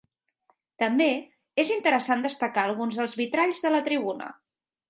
També és interessant destacar alguns dels vitralls de la tribuna.